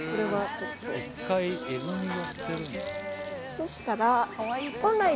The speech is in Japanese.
そしたら。